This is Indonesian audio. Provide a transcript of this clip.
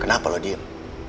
kenapa kau diam